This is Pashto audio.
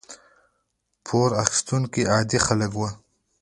پور اخیستونکي عادي خلک وو.